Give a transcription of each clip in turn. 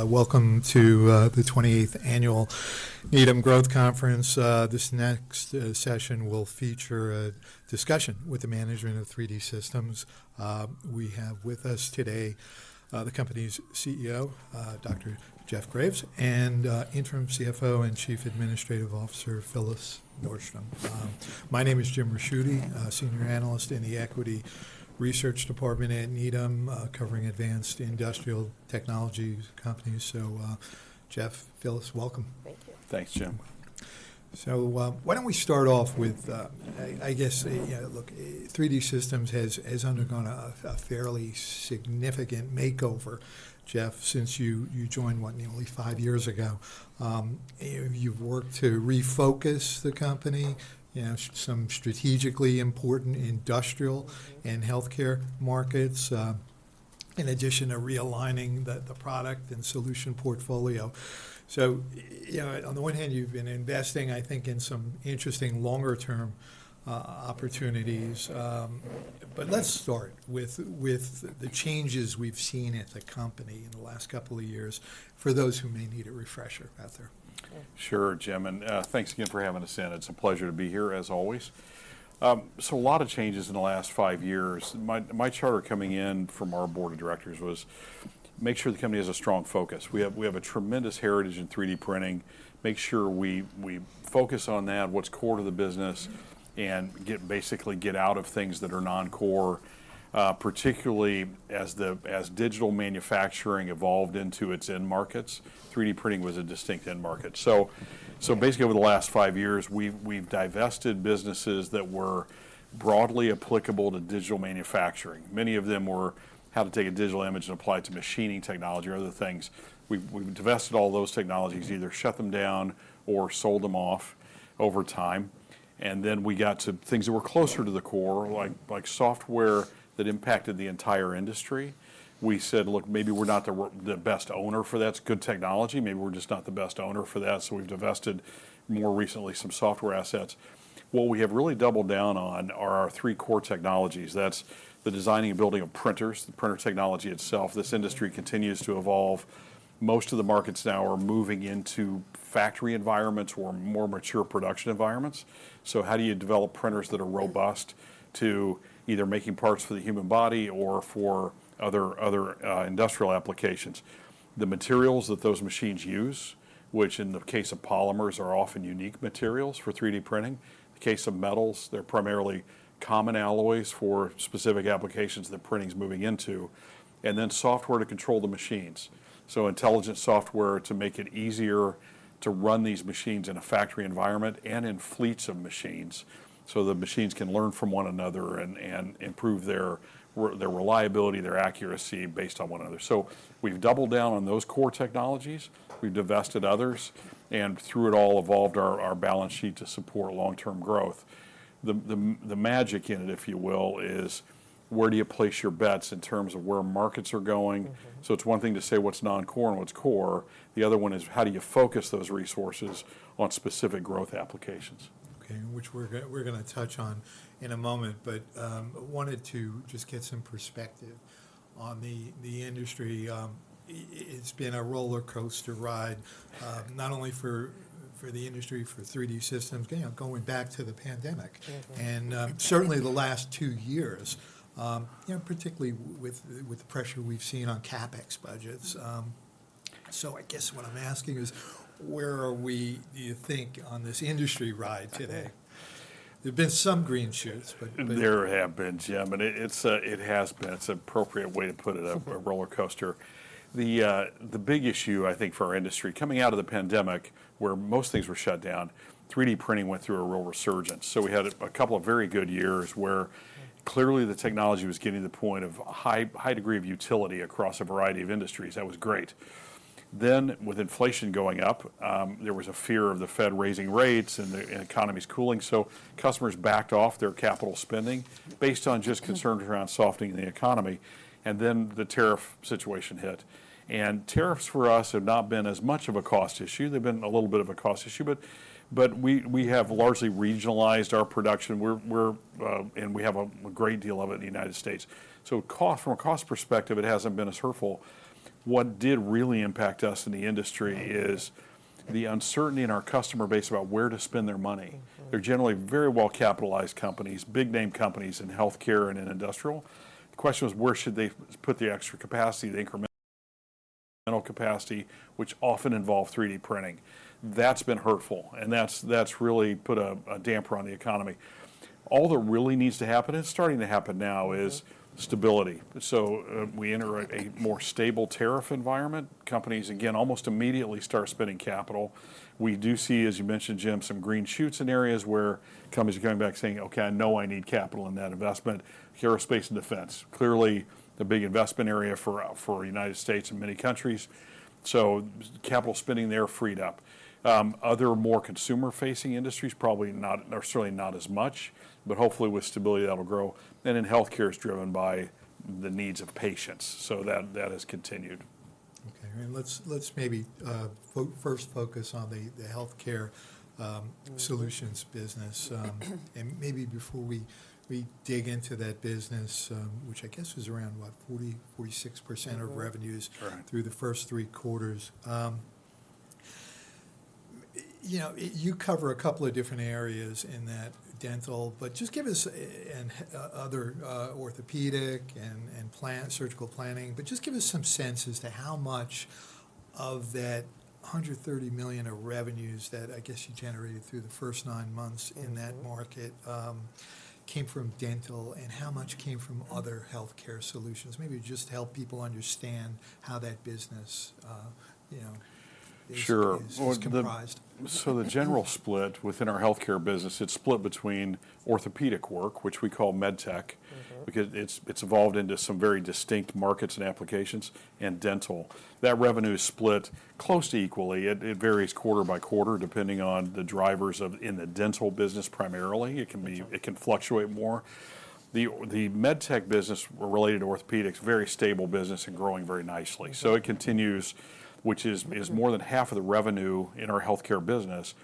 Welcome to the 28th Annual Needham Growth Conference. This next session will feature a discussion with the management of 3D Systems. We have with us today the company's CEO, Dr. Jeff Graves, and interim CFO and chief administrative officer, Phyllis Nordstrom. My name is Jim Ricchiuti, senior analyst in the equity research department at Needham, covering advanced industrial technology companies. So, Jeff, Phyllis, welcome. Thank you. Thanks, Jim. So, why don't we start off with, I guess, look, 3D Systems has undergone a fairly significant makeover, Jeff, since you joined what, nearly five years ago. You've worked to refocus the company, some strategically important industrial and healthcare markets, in addition to realigning the product and solution portfolio. So, on the one hand, you've been investing, I think, in some interesting longer-term opportunities. But let's start with the changes we've seen at the company in the last couple of years for those who may need a refresher out there. Sure, Jim, and thanks again for having us in. It's a pleasure to be here, as always, so a lot of changes in the last five years. My charter coming in from our board of directors was, make sure the company has a strong focus. We have a tremendous heritage in 3D printing. Make sure we focus on that, what's core to the business, and basically get out of things that are non-core. Particularly as digital manufacturing evolved into its end markets, 3D printing was a distinct end market, so basically, over the last five years, we've divested businesses that were broadly applicable to digital manufacturing. Many of them were how to take a digital image and apply it to machining technology or other things. We've divested all those technologies, either shut them down or sold them off over time. We got to things that were closer to the core, like software that impacted the entire industry. We said, look, maybe we're not the best owner for that. It's good technology. Maybe we're just not the best owner for that. So, we've divested more recently some software assets. What we have really doubled down on are our three core technologies. That's the designing and building of printers, the printer technology itself. This industry continues to evolve. Most of the markets now are moving into factory environments or more mature production environments. So, how do you develop printers that are robust to either making parts for the human body or for other industrial applications? The materials that those machines use, which in the case of polymers are often unique materials for 3D printing. In the case of metals, they're primarily common alloys for specific applications that printing's moving into. And then software to control the machines. So, intelligent software to make it easier to run these machines in a factory environment and in fleets of machines. So, the machines can learn from one another and improve their reliability, their accuracy based on one another. So, we've doubled down on those core technologies. We've divested others and through it all evolved our balance sheet to support long-term growth. The magic in it, if you will, is where do you place your bets in terms of where markets are going? So, it's one thing to say what's non-core and what's core. The other one is how do you focus those resources on specific growth applications? Okay, which we're going to touch on in a moment. But I wanted to just get some perspective on the industry. It's been a roller coaster ride, not only for the industry, for 3D Systems, going back to the pandemic. And certainly the last two years, particularly with the pressure we've seen on CapEx budgets. So, I guess what I'm asking is, where are we, do you think, on this industry ride today? There've been some green shoots, but. There have been, Jim, and it has been. It's an appropriate way to put it, a roller coaster. The big issue, I think, for our industry, coming out of the pandemic, where most things were shut down, 3D printing went through a real resurgence, so we had a couple of very good years where clearly the technology was getting to the point of a high degree of utility across a variety of industries. That was great, then with inflation going up, there was a fear of the Fed raising rates and the economy's cooling, so customers backed off their capital spending based on just concerns around softening the economy, and then the tariff situation hit. And tariffs for us have not been as much of a cost issue, they've been a little bit of a cost issue. But we have largely regionalized our production, and we have a great deal of it in the United States. So, from a cost perspective, it hasn't been as hurtful. What did really impact us in the industry is the uncertainty in our customer base about where to spend their money. They're generally very well-capitalized companies, big-name companies in healthcare and in industrial. The question was, where should they put the extra capacity, the incremental capacity, which often involve 3D printing? That's been hurtful. And that's really put a damper on the economy. All that really needs to happen, and it's starting to happen now, is stability. So, we enter a more stable tariff environment. Companies, again, almost immediately start spending capital. We do see, as you mentioned, Jim, some green shoots in areas where companies are coming back saying, okay, I know I need capital in that investment. Aerospace and defense, clearly the big investment area for the United States and many countries. So, capital spending there freed up. Other more consumer-facing industries, probably not, certainly not as much, but hopefully with stability that'll grow. And then healthcare is driven by the needs of patients. So, that has continued. Okay. And let's maybe first focus on the healthcare solutions business. And maybe before we dig into that business, which I guess is around, what, 40%-46% of revenues through the first three quarters. You cover a couple of different areas in that dental, but just give us, and other orthopedic and surgical planning, but just give us some sense as to how much of that $130 million of revenues that I guess you generated through the first nine months in that market came from dental and how much came from other healthcare solutions. Maybe just help people understand how that business is comprised. Sure. So, the general split within our healthcare business, it's split between orthopedic work, which we call MedTech, because it's evolved into some very distinct markets and applications, and dental. That revenue is split close to equally. It varies quarter by quarter, depending on the drivers in the dental business primarily. It can fluctuate more. The MedTech business related to orthopedics [is a] very stable business and growing very nicely. So, it continues, which is more than half of the revenue in our healthcare business,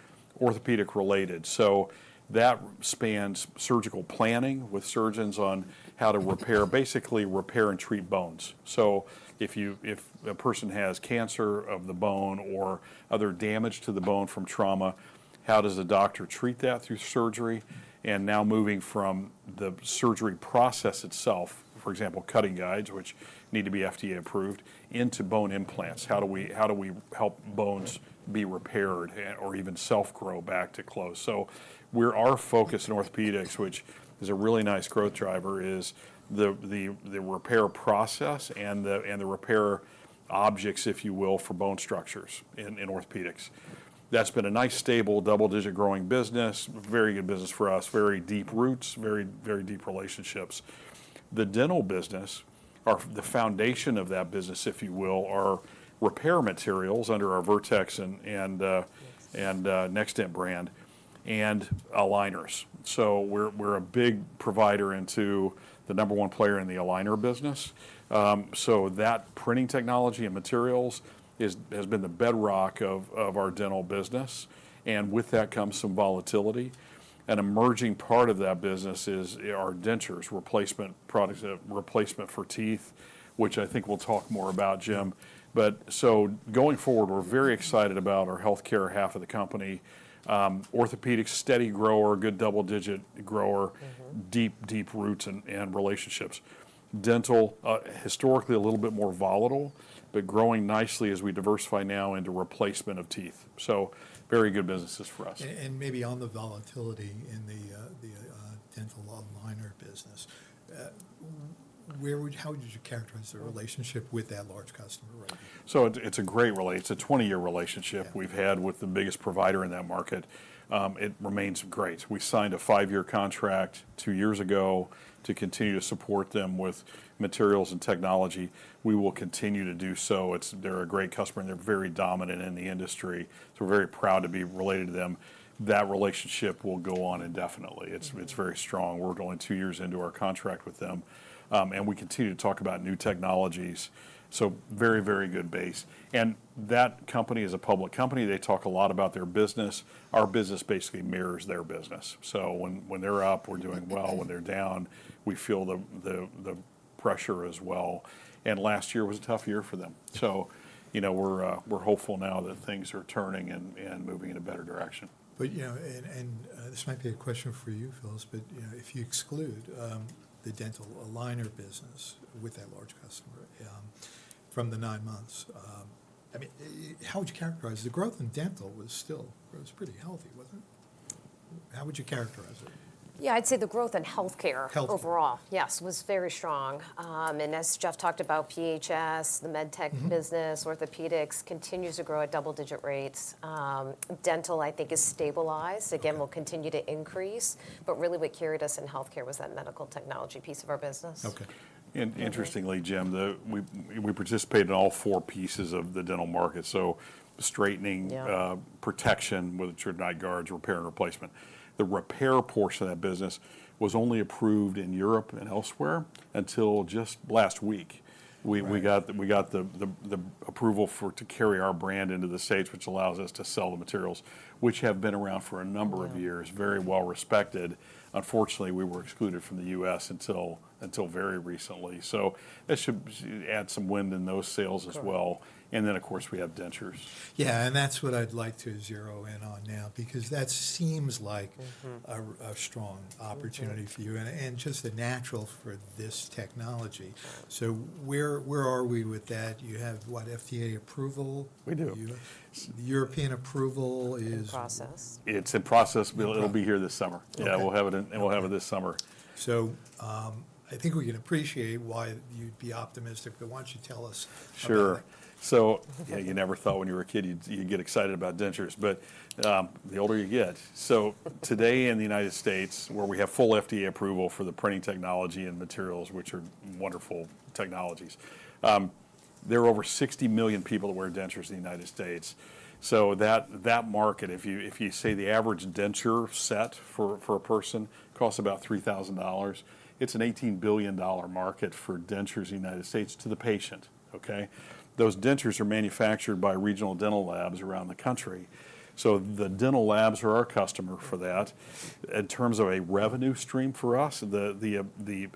orthopedic related. So, that spans surgical planning with surgeons on how to repair, basically repair and treat bones. So, if a person has cancer of the bone or other damage to the bone from trauma, how does the doctor treat that through surgery? And now moving from the surgery process itself, for example, cutting guides, which need to be FDA approved, into bone implants. How do we help bones be repaired or even self-grow back to close? So, where our focus in orthopedics, which is a really nice growth driver, is the repair process and the repair objects, if you will, for bone structures in orthopedics. That's been a nice, stable, double-digit growing business, very good business for us, very deep roots, very deep relationships. The dental business, the foundation of that business, if you will, are repair materials under our Vertex and NextDent brand and aligners. So, we're a big provider into the number one player in the aligner business. So, that printing technology and materials has been the bedrock of our dental business. And with that comes some volatility. An emerging part of that business is our dentures, replacement products, replacement for teeth, which I think we'll talk more about, Jim. But so, going forward, we're very excited about our healthcare half of the company. Orthopedics, steady grower, good double-digit grower, deep, deep roots and relationships. Dental, historically a little bit more volatile, but growing nicely as we diversify now into replacement of teeth. So, very good businesses for us. Maybe on the volatility in the dental aligner business, how would you characterize the relationship with that large customer right now? It's a great relationship. It's a 20-year relationship we've had with the biggest provider in that market. It remains great. We signed a five-year contract two years ago to continue to support them with materials and technology. We will continue to do so. They're a great customer and they're very dominant in the industry. We're very proud to be related to them. That relationship will go on indefinitely. It's very strong. We're going two years into our contract with them. We continue to talk about new technologies. Very, very good base. That company is a public company. They talk a lot about their business. Our business basically mirrors their business. When they're up, we're doing well. When they're down, we feel the pressure as well. Last year was a tough year for them. So, we're hopeful now that things are turning and moving in a better direction. But this might be a question for you, Phyllis, but if you exclude the dental aligner business with that large customer from the nine months, I mean, how would you characterize the growth in dental? It was still pretty healthy, wasn't it? How would you characterize it? Yeah, I'd say the growth in healthcare overall, yes, was very strong. And as Jeff talked about, PHS, the MedTech business, orthopedics continues to grow at double-digit rates. Dental, I think, has stabilized. Again, we'll continue to increase. But really what carried us in healthcare was that medical technology piece of our business. Okay. And interestingly, Jim, we participate in all four pieces of the dental market. So, straightening, protection, whether it's night guards or not, repair, and replacement. The repair portion of that business was only approved in Europe and elsewhere until just last week. We got the approval to carry our brand into the States, which allows us to sell the materials, which have been around for a number of years, very well respected. Unfortunately, we were excluded from the U.S. until very recently. So, that should add some wind in those sales as well. And then, of course, we have dentures. Yeah, and that's what I'd like to zero in on now, because that seems like a strong opportunity for you and just the natural for this technology, so where are we with that? You have, what, FDA approval? We do. European approval is? Process. It's in process. It'll be here this summer. Yeah, we'll have it this summer. So, I think we can appreciate why you'd be optimistic, but why don't you tell us? Sure. So, yeah, you never thought when you were a kid you'd get excited about dentures, but the older you get. So, today in the United States, where we have full FDA approval for the printing technology and materials, which are wonderful technologies, there are over 60 million people that wear dentures in the United States. So, that market, if you say the average denture set for a person costs about $3,000, it's an $18 billion market for dentures in the United States to the patient, okay? Those dentures are manufactured by regional dental labs around the country. So, the dental labs are our customer for that. In terms of a revenue stream for us, the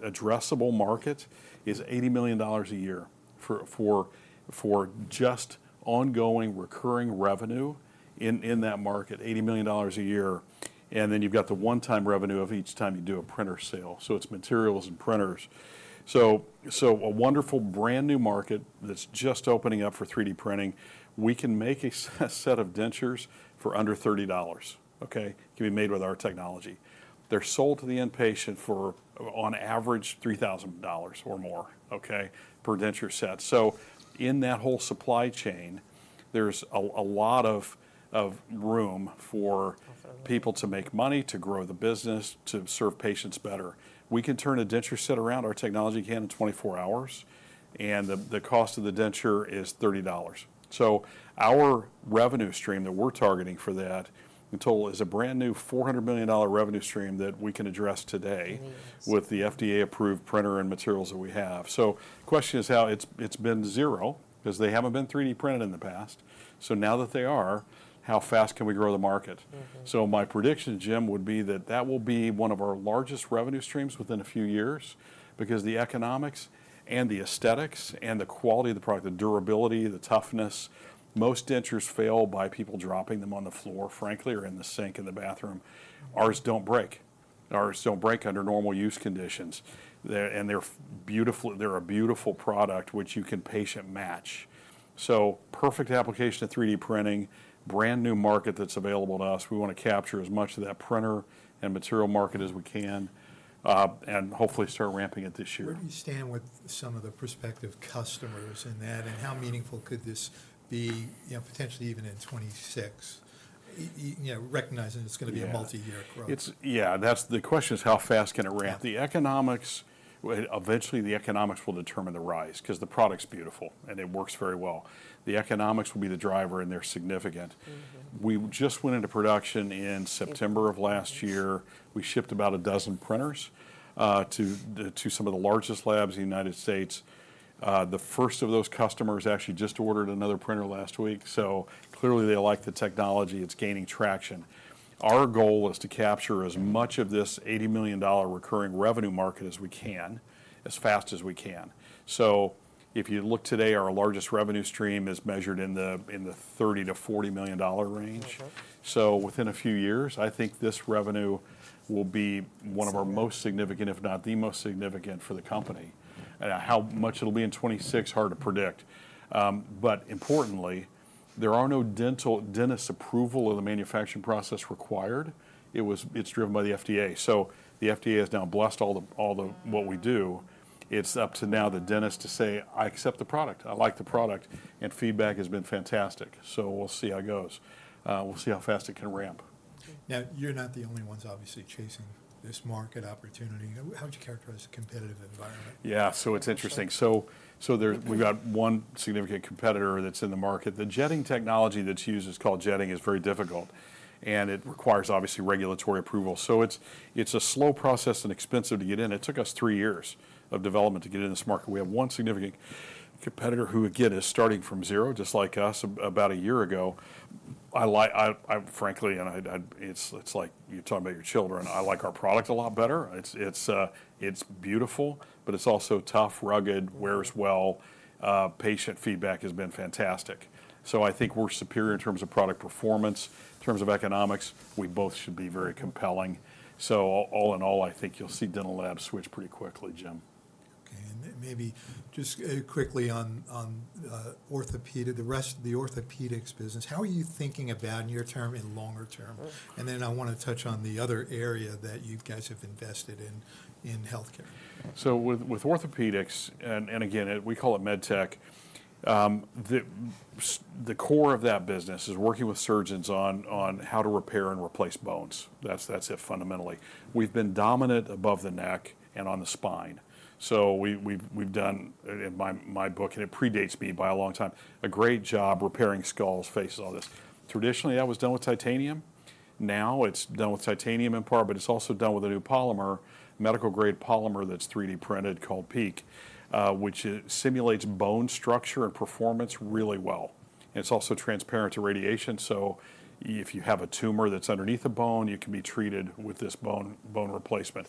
addressable market is $80 million a year for just ongoing recurring revenue in that market, $80 million a year. And then you've got the one-time revenue of each time you do a printer sale. It's materials and printers. A wonderful brand new market that's just opening up for 3D printing. We can make a set of dentures for under $30, okay? Can be made with our technology. They're sold to the patient for, on average, $3,000 or more, okay, per denture set. In that whole supply chain, there's a lot of room for people to make money, to grow the business, to serve patients better. We can turn a denture set around, our technology can in 24 hours, and the cost of the denture is $30. Our revenue stream that we're targeting for that in total is a brand new $400 million revenue stream that we can address today with the FDA-approved printer and materials that we have. The question is why it's been zero, because they haven't been 3D printed in the past. So, now that they are, how fast can we grow the market? So, my prediction, Jim, would be that that will be one of our largest revenue streams within a few years, because the economics and the aesthetics and the quality of the product, the durability, the toughness. Most dentures fail by people dropping them on the floor, frankly, or in the sink in the bathroom. Ours don't break. Ours don't break under normal use conditions. And they're a beautiful product, which you can patient match. So, perfect application of 3D printing, brand new market that's available to us. We want to capture as much of that printer and material market as we can and hopefully start ramping it this year. Where do you stand with some of the prospective customers in that, and how meaningful could this be potentially even in 2026, recognizing it's going to be a multi-year growth? Yeah, the question is how fast can it ramp? The economics, eventually the economics will determine the rise, because the product's beautiful and it works very well. The economics will be the driver, and they're significant. We just went into production in September of last year. We shipped about a dozen printers to some of the largest labs in the United States. The first of those customers actually just ordered another printer last week. So, clearly they like the technology. It's gaining traction. Our goal is to capture as much of this $80 million recurring revenue market as we can, as fast as we can. So, if you look today, our largest revenue stream is measured in the $30-$40 million range. So, within a few years, I think this revenue will be one of our most significant, if not the most significant for the company. And how much it'll be in 2026, hard to predict. But importantly, there are no dentist approval of the manufacturing process required. It's driven by the FDA. So, the FDA has now blessed all the what we do. It's up to now the dentist to say, "I accept the product. I like the product." And feedback has been fantastic. So, we'll see how it goes. We'll see how fast it can ramp. Now, you're not the only ones obviously chasing this market opportunity. How would you characterize the competitive environment? Yeah. It's interesting. We've got one significant competitor that's in the market. The jetting technology that's used is called jetting, is very difficult. It requires obviously regulatory approval. It's a slow process and expensive to get in. It took us three years of development to get in this market. We have one significant competitor who, again, is starting from zero, just like us, about a year ago. Frankly, and it's like you're talking about your children, I like our product a lot better. It's beautiful, but it's also tough, rugged, wears well. Patient feedback has been fantastic. I think we're superior in terms of product performance. In terms of economics, we both should be very compelling. All in all, I think you'll see dental labs switch pretty quickly, Jim. Okay. And maybe just quickly on orthopedics, the rest of the orthopedics business, how are you thinking about, in your term, in longer term? And then I want to touch on the other area that you guys have invested in healthcare. So, with orthopedics, and again, we call it med tech, the core of that business is working with surgeons on how to repair and replace bones. That's it fundamentally. We've been dominant above the neck and on the spine. So, we've done, in my book, and it predates me by a long time, a great job repairing skulls, faces, all this. Traditionally, that was done with titanium. Now it's done with titanium in part, but it's also done with a new polymer, medical-grade polymer that's 3D printed called PEEK, which simulates bone structure and performance really well. And it's also transparent to radiation. So, if you have a tumor that's underneath a bone, you can be treated with this bone replacement.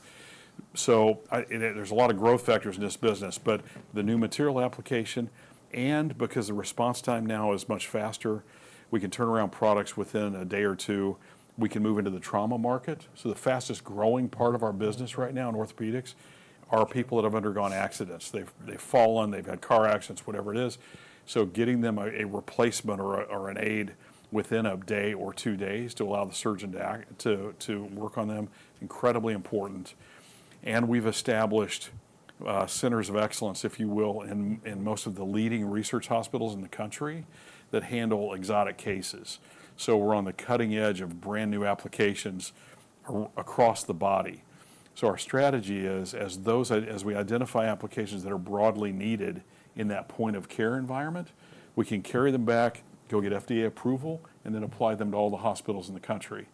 So, there's a lot of growth factors in this business, but the new material application and because the response time now is much faster, we can turn around products within a day or two. We can move into the trauma market. So, the fastest growing part of our business right now in orthopedics are people that have undergone accidents. They've fallen, they've had car accidents, whatever it is. So, getting them a replacement or an aid within a day or two days to allow the surgeon to work on them is incredibly important. And we've established centers of excellence, if you will, in most of the leading research hospitals in the country that handle exotic cases. So, we're on the cutting edge of brand new applications across the body. So, our strategy is, as we identify applications that are broadly needed in that point of care environment, we can carry them back, go get FDA approval, and then apply them to all the hospitals in the country.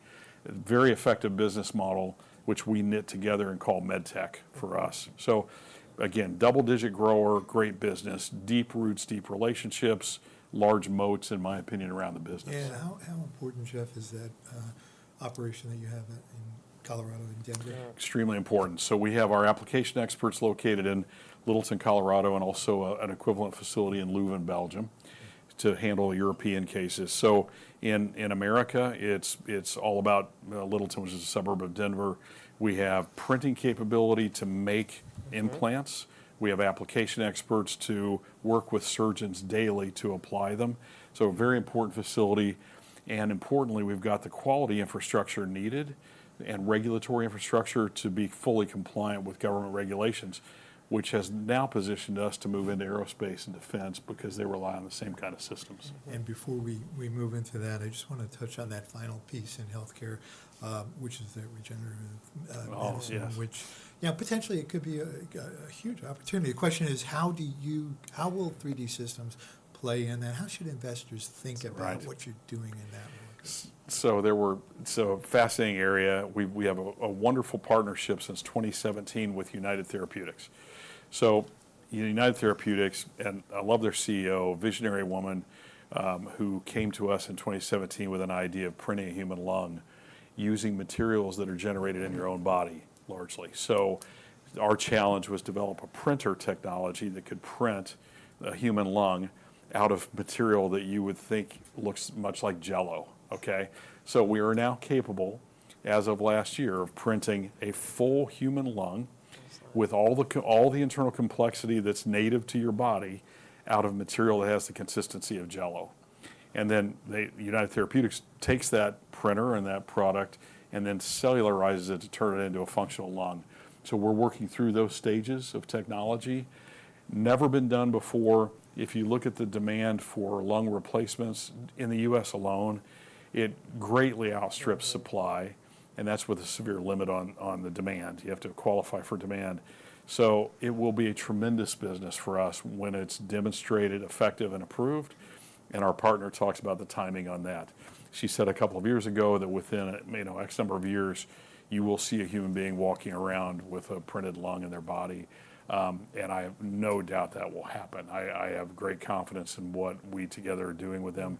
Very effective business model, which we knit together and call med tech for us. So, again, double-digit grower, great business, deep roots, deep relationships, large moats, in my opinion, around the business. How important, Jeff, is that operation that you have in Colorado and Denver? Extremely important. So, we have our application experts located in Littleton, Colorado, and also an equivalent facility in Leuven, Belgium, to handle European cases. So, in America, it's all about Littleton, which is a suburb of Denver. We have printing capability to make implants. We have application experts to work with surgeons daily to apply them. So, very important facility. And importantly, we've got the quality infrastructure needed and regulatory infrastructure to be fully compliant with government regulations, which has now positioned us to move into aerospace and defense because they rely on the same kind of systems. Before we move into that, I just want to touch on that final piece in healthcare, which is the regenerative medicine, which, yeah, potentially it could be a huge opportunity. The question is, how do you, how will 3D Systems play in that? How should investors think about what you're doing in that work? There’s a fascinating area. We have a wonderful partnership since 2017 with United Therapeutics. United Therapeutics, and I love their CEO, a visionary woman who came to us in 2017 with an idea of printing a human lung using materials that are generated in your own body, largely. Our challenge was to develop a printer technology that could print a human lung out of material that you would think looks much like Jell-O, okay? We are now capable, as of last year, of printing a full human lung with all the internal complexity that's native to your body out of material that has the consistency of Jell-O, and then United Therapeutics takes that printer and that product and then cellularizes it to turn it into a functional lung. We're working through those stages of technology. Never been done before. If you look at the demand for lung replacements in the U.S. alone, it greatly outstrips supply. And that's with a severe limit on the demand. You have to qualify for demand. So, it will be a tremendous business for us when it's demonstrated, effective, and approved. And our partner talks about the timing on that. She said a couple of years ago that within X number of years, you will see a human being walking around with a printed lung in their body. And I have no doubt that will happen. I have great confidence in what we together are doing with them.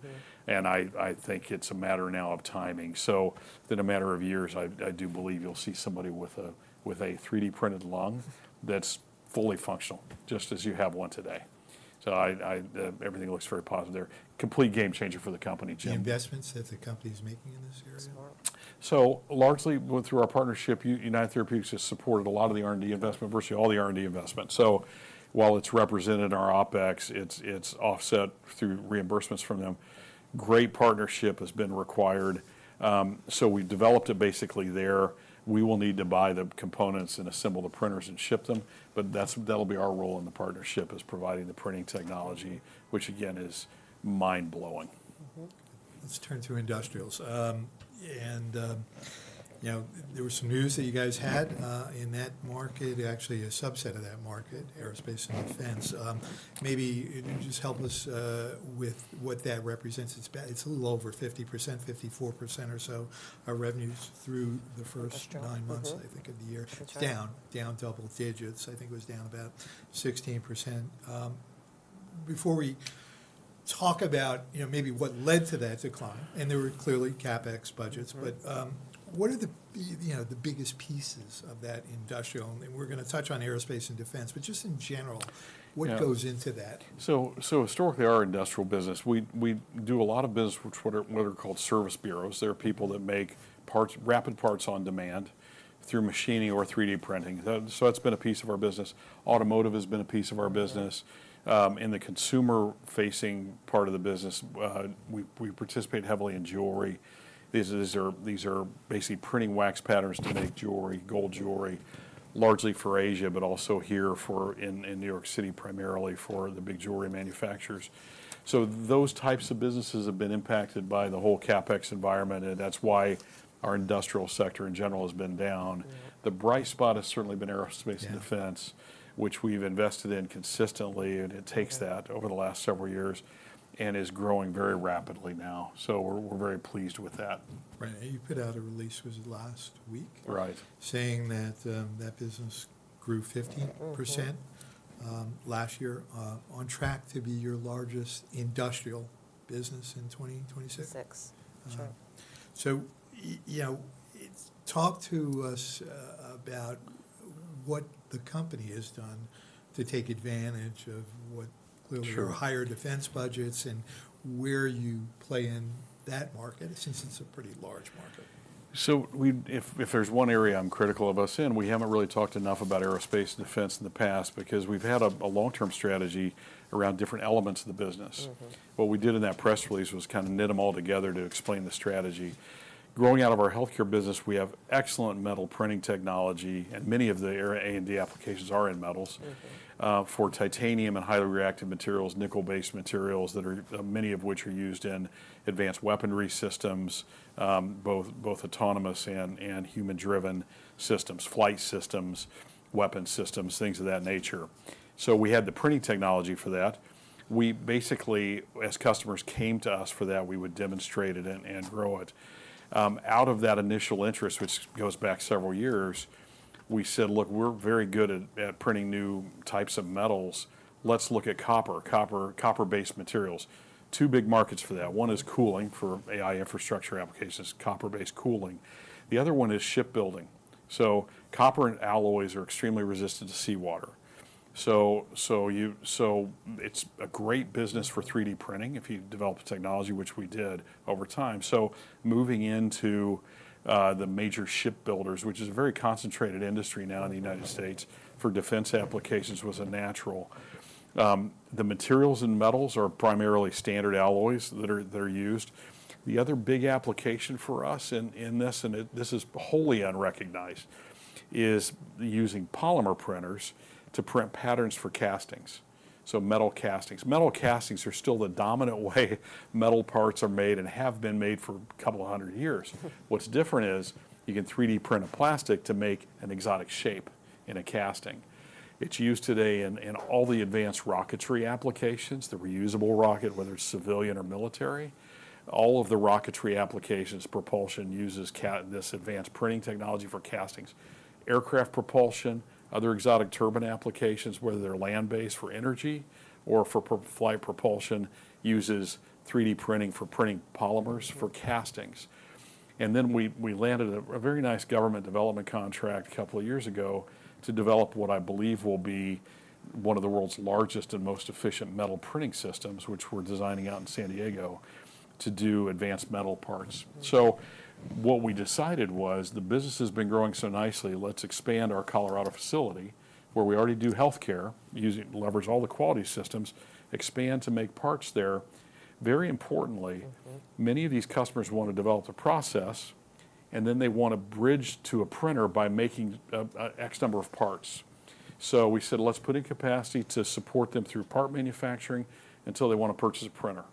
And I think it's a matter now of timing. So, in a matter of years, I do believe you'll see somebody with a 3D printed lung that's fully functional, just as you have one today. So, everything looks very positive there. Complete game changer for the company, Jim. Investments that the company is making in this area? Largely through our partnership, United Therapeutics has supported a lot of the R&D investment, virtually all the R&D investment. While it's represented in our OpEx, it's offset through reimbursements from them. Great partnership has been required. We've developed it basically there. We will need to buy the components and assemble the printers and ship them. But that'll be our role in the partnership is providing the printing technology, which again is mind-blowing. Let's turn to industrials. And there was some news that you guys had in that market, actually a subset of that market, aerospace and defense. Maybe you can just help us with what that represents. It's a little over 50%, 54% or so of revenues through the first nine months, I think, of the year. Down double digits. I think it was down about 16%. Before we talk about maybe what led to that decline, and there were clearly CapEx budgets, but what are the biggest pieces of that industrial? And we're going to touch on aerospace and defense, but just in general, what goes into that? So, historically, our industrial business, we do a lot of business with what are called service bureaus. There are people that make rapid parts on demand through machining or 3D printing. So, that's been a piece of our business. Automotive has been a piece of our business. In the consumer-facing part of the business, we participate heavily in jewelry. These are basically printing wax patterns to make jewelry, gold jewelry, largely for Asia, but also here in New York City, primarily for the big jewelry manufacturers. So, those types of businesses have been impacted by the whole CapEx environment. And that's why our industrial sector in general has been down. The bright spot has certainly been aerospace and defense, which we've invested in consistently. And it takes that over the last several years and is growing very rapidly now. So, we're very pleased with that. Right. You put out a release, was it last week, saying that that business grew 15% last year, on track to be your largest industrial business in 2026? Six. Talk to us about what the company has done to take advantage of what clearly are higher defense budgets and where you play in that market, since it's a pretty large market? So, if there's one area I'm critical of us in, we haven't really talked enough about aerospace and defense in the past, because we've had a long-term strategy around different elements of the business. What we did in that press release was kind of knit them all together to explain the strategy. Growing out of our healthcare business, we have excellent metal printing technology. And many of the A&D applications are in metals for titanium and highly reactive materials, nickel-based materials that are many of which are used in advanced weaponry systems, both autonomous and human-driven systems, flight systems, weapon systems, things of that nature. So, we had the printing technology for that. We basically, as customers came to us for that, we would demonstrate it and grow it. Out of that initial interest, which goes back several years, we said, "Look, we're very good at printing new types of metals. Let's look at copper, copper-based materials." Two big markets for that. One is cooling for AI infrastructure applications, copper-based cooling. The other one is shipbuilding. So, copper and alloys are extremely resistant to seawater. So, it's a great business for 3D printing if you develop technology, which we did over time. So, moving into the major shipbuilders, which is a very concentrated industry now in the United States for defense applications, was a natural. The materials and metals are primarily standard alloys that are used. The other big application for us in this, and this is wholly unrecognized, is using polymer printers to print patterns for castings. So, metal castings. Metal castings are still the dominant way metal parts are made and have been made for a couple of hundred years. What's different is you can 3D print a plastic to make an exotic shape in a casting. It's used today in all the advanced rocketry applications, the reusable rocket, whether it's civilian or military. All of the rocketry applications, propulsion uses this advanced printing technology for castings. Aircraft propulsion, other exotic turbine applications, whether they're land-based for energy or for flight propulsion, uses 3D printing for printing polymers for castings. And then we landed a very nice government development contract a couple of years ago to develop what I believe will be one of the world's largest and most efficient metal printing systems, which we're designing out in San Diego to do advanced metal parts. So, what we decided was the business has been growing so nicely. Let's expand our Colorado facility where we already do healthcare, leverage all the quality systems, expand to make parts there. Very importantly, many of these customers want to develop the process, and then they want to bridge to a printer by making X number of parts. So, we said, "Let's put in capacity to support them through part manufacturing until they want to purchase a printer."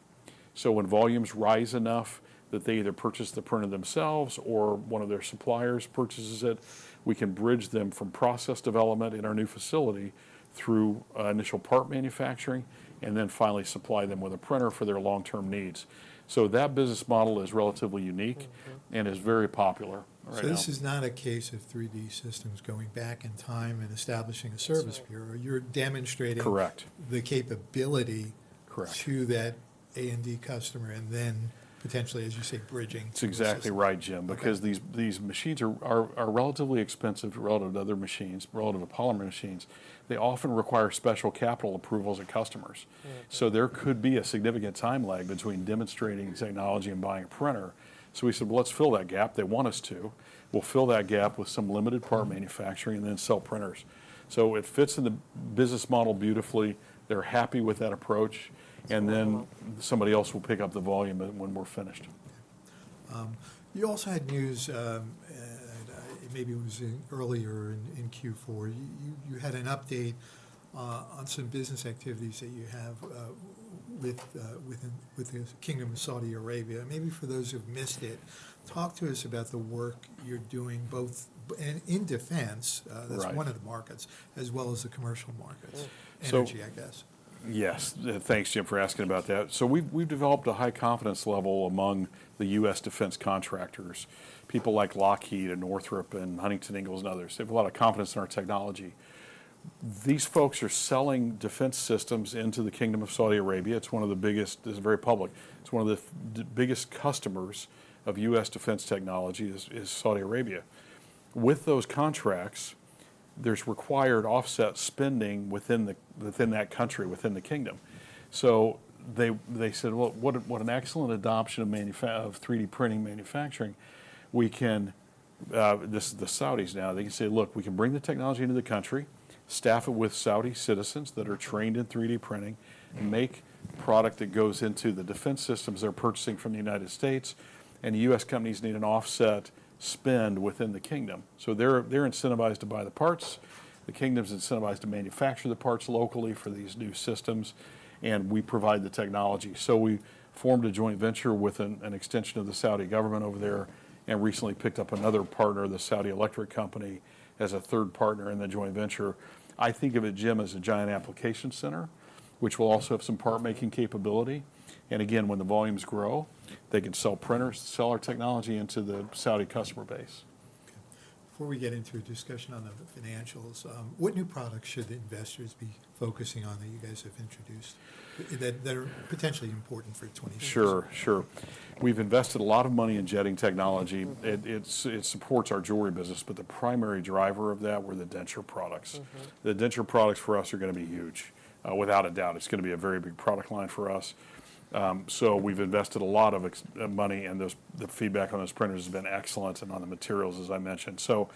So, when volumes rise enough that they either purchase the printer themselves or one of their suppliers purchases it, we can bridge them from process development in our new facility through initial part manufacturing, and then finally supply them with a printer for their long-term needs. So, that business model is relatively unique and is very popular right now. This is not a case of 3D Systems going back in time and establishing a service bureau. You're demonstrating the capability to that A&D customer and then potentially, as you say, bridging to the. That's exactly right, Jim, because these machines are relatively expensive relative to other machines, relative to polymer machines. They often require special capital approvals at customers. So, there could be a significant time lag between demonstrating technology and buying a printer. So, we said, "Well, let's fill that gap." They want us to. We'll fill that gap with some limited part manufacturing and then sell printers. So, it fits in the business model beautifully. They're happy with that approach. And then somebody else will pick up the volume when we're finished. You also had news, maybe it was earlier in Q4, you had an update on some business activities that you have with the Kingdom of Saudi Arabia. Maybe for those who've missed it, talk to us about the work you're doing both in defense, that's one of the markets, as well as the commercial markets, energy I guess. Yes. Thanks, Jim, for asking about that. So, we've developed a high confidence level among the U.S. defense contractors, people like Lockheed and Northrop and Huntington Ingalls and others. They have a lot of confidence in our technology. These folks are selling defense systems into the Kingdom of Saudi Arabia. It's one of the biggest. It's very public. It's one of the biggest customers of U.S. defense technology: Saudi Arabia. With those contracts, there's required offset spending within that country, within the kingdom. So, they said, "Well, what an excellent adoption of 3D printing manufacturing." The Saudis now, they can say, "Look, we can bring the technology into the country, staff it with Saudi citizens that are trained in 3D printing, make product that goes into the defense systems they're purchasing from the United States," and U.S. companies need an offset spend within the kingdom. So, they're incentivized to buy the parts. The kingdom's incentivized to manufacture the parts locally for these new systems. And we provide the technology. So, we formed a joint venture with an extension of the Saudi government over there and recently picked up another partner, the Saudi Electricity Company as a third partner in the joint venture. I think of it, Jim, as a giant application center, which will also have some part-making capability. And again, when the volumes grow, they can sell printers, sell our technology into the Saudi customer base. Before we get into a discussion on the financials, what new products should investors be focusing on that you guys have introduced that are potentially important for 2026? Sure, sure. We've invested a lot of money in jetting technology. It supports our jewelry business, but the primary driver of that were the denture products. The denture products for us are going to be huge, without a doubt. It's going to be a very big product line for us. So, we've invested a lot of money, and the feedback on those printers has been excellent and on the materials, as I mentioned. So,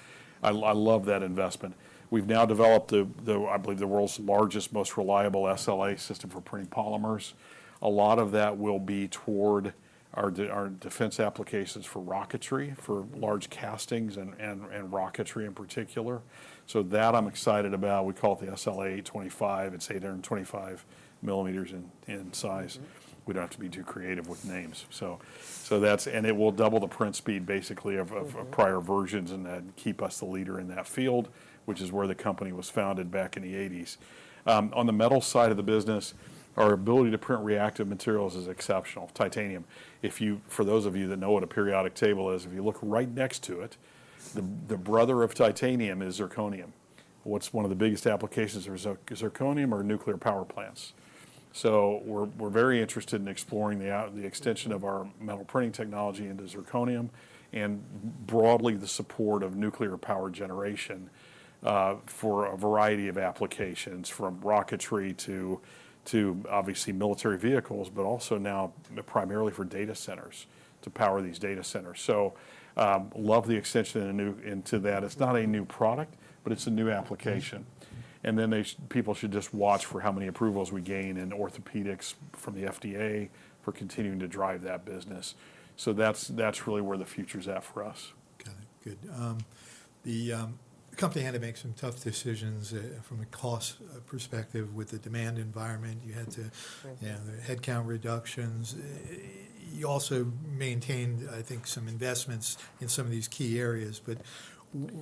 I love that investment. We've now developed the, I believe, the world's largest, most reliable SLA system for printing polymers. A lot of that will be toward our defense applications for rocketry, for large castings and rocketry in particular, so that I'm excited about. We call it the SLA 825. It's 825 millimeters in size. We don't have to be too creative with names. So, that's and it will double the print speed basically of prior versions and keep us the leader in that field, which is where the company was founded back in the 1980s. On the metal side of the business, our ability to print reactive materials is exceptional. Titanium. For those of you that know what a periodic table is, if you look right next to it, the brother of titanium is zirconium. What's one of the biggest applications for zirconium are nuclear power plants. So, we're very interested in exploring the extension of our metal printing technology into zirconium and broadly the support of nuclear power generation for a variety of applications from rocketry to obviously military vehicles, but also now primarily for data centers to power these data centers. So, love the extension into that. It's not a new product, but it's a new application. And then people should just watch for how many approvals we gain in orthopedics from the FDA for continuing to drive that business. So, that's really where the future's at for us. Got it. Good. The company had to make some tough decisions from a cost perspective with the demand environment. You had to, you know, headcount reductions. You also maintained, I think, some investments in some of these key areas. But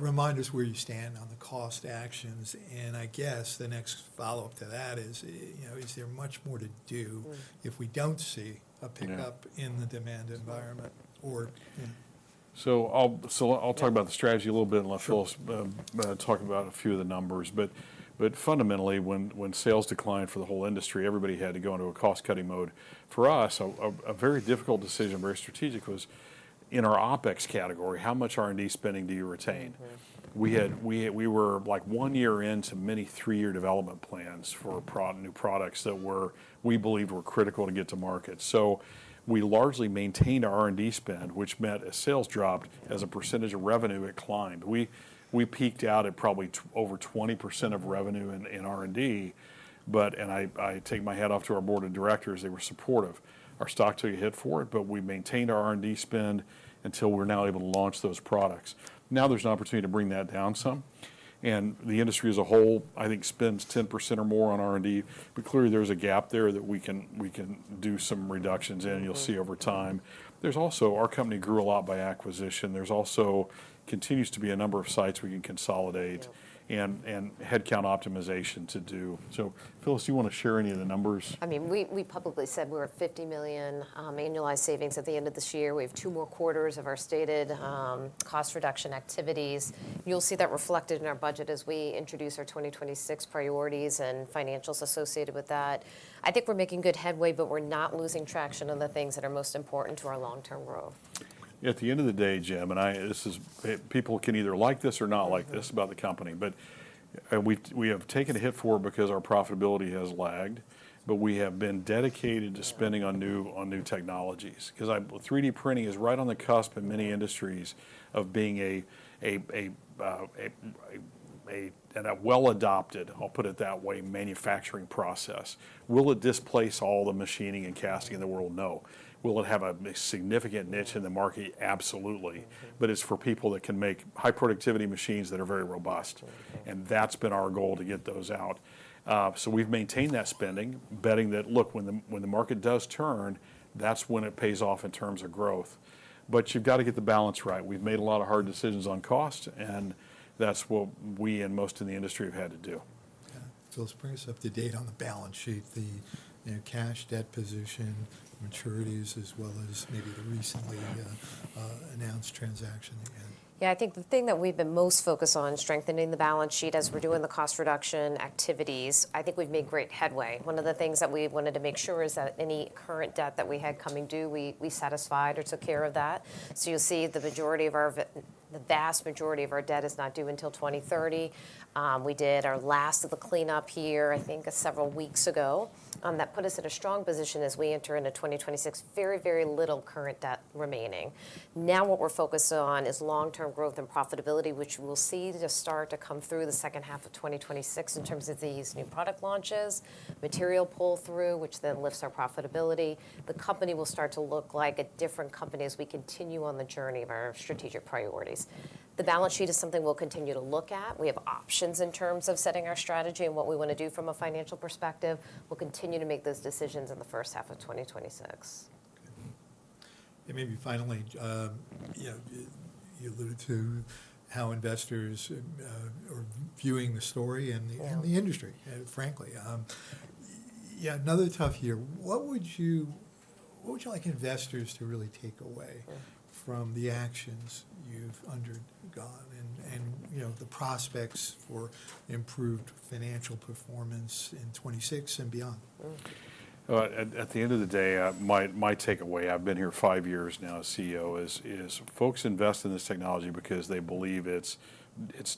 remind us where you stand on the cost actions. And I guess the next follow-up to that is, you know, is there much more to do if we don't see a pickup in the demand environment or? I'll talk about the strategy a little bit and let Phil talk about a few of the numbers. But fundamentally, when sales declined for the whole industry, everybody had to go into a cost-cutting mode. For us, a very difficult decision, very strategic was in our OpEx category, how much R&D spending do you retain? We were like one year into many three-year development plans for new products that we believe were critical to get to market. We largely maintained our R&D spend, which meant as sales dropped, as a percentage of revenue, it climbed. We peaked out at probably over 20% of revenue in R&D. And I take my hat off to our board of directors, they were supportive. Our stock took a hit for it, but we maintained our R&D spend until we're now able to launch those products. Now there's an opportunity to bring that down some. And the industry as a whole, I think, spends 10% or more on R&D. But clearly there's a gap there that we can do some reductions in. You'll see over time. There's also, our company grew a lot by acquisition. There's also continues to be a number of sites we can consolidate and headcount optimization to do. So, Phyllis, do you want to share any of the numbers? I mean, we publicly said we're at $50 million annualized savings at the end of this year. We have two more quarters of our stated cost reduction activities. You'll see that reflected in our budget as we introduce our 2026 priorities and financials associated with that. I think we're making good headway, but we're not losing traction on the things that are most important to our long-term growth. Yeah, at the end of the day, Jim, and I, this is, people can either like this or not like this about the company. But we have taken a hit for it because our profitability has lagged. But we have been dedicated to spending on new technologies. Because 3D printing is right on the cusp in many industries of being a well-adopted, I'll put it that way, manufacturing process. Will it displace all the machining and casting in the world? No. Will it have a significant niche in the market? Absolutely. But it's for people that can make high-productivity machines that are very robust. And that's been our goal to get those out. So, we've maintained that spending, betting that, look, when the market does turn, that's when it pays off in terms of growth. But you've got to get the balance right. We've made a lot of hard decisions on cost, and that's what we and most in the industry have had to do. Phyllis, bring us up to date on the balance sheet, the cash debt position, maturities, as well as maybe the recently announced transaction. Yeah, I think the thing that we've been most focused on, strengthening the balance sheet as we're doing the cost reduction activities, I think we've made great headway. One of the things that we wanted to make sure is that any current debt that we had coming due, we satisfied or took care of that. So, you'll see the majority of our, the vast majority of our debt is not due until 2030. We did our last of the cleanup here, I think, several weeks ago. That put us in a strong position as we enter into 2026, very, very little current debt remaining. Now what we're focused on is long-term growth and profitability, which we'll see start to come through the second half of 2026 in terms of these new product launches, material pull-through, which then lifts our profitability. The company will start to look like a different company as we continue on the journey of our strategic priorities. The balance sheet is something we'll continue to look at. We have options in terms of setting our strategy and what we want to do from a financial perspective. We'll continue to make those decisions in the first half of 2026. And maybe finally, you alluded to how investors are viewing the story and the industry, frankly. Yeah, another tough year. What would you like investors to really take away from the actions you've undergone and the prospects for improved financial performance in 2026 and beyond? At the end of the day, my takeaway, I've been here five years now as CEO, is folks invest in this technology because they believe it's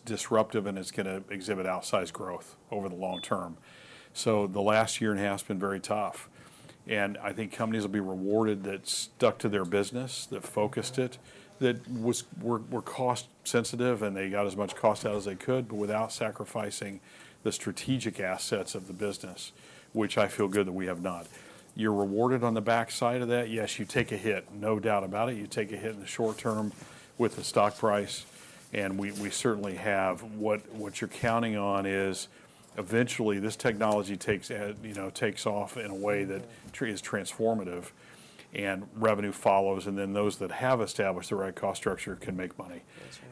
disruptive and it's going to exhibit outsized growth over the long term. So, the last year and a half has been very tough. And I think companies will be rewarded that stuck to their business, that focused it, that were cost-sensitive and they got as much cost out as they could, but without sacrificing the strategic assets of the business, which I feel good that we have not. You're rewarded on the backside of that. Yes, you take a hit, no doubt about it. You take a hit in the short term with the stock price. And we certainly have what you're counting on is eventually this technology takes off in a way that is transformative and revenue follows. And then those that have established the right cost structure can make money.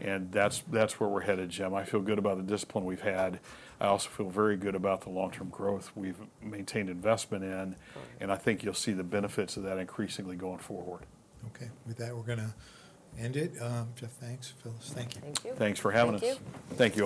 And that's where we're headed, Jim. I feel good about the discipline we've had. I also feel very good about the long-term growth we've maintained investment in. And I think you'll see the benefits of that increasingly going forward. Okay. With that, we're going to end it. Jeff, thanks. Phyllis, thank you. Thank you. Thanks for having us. Thank you. Thank you.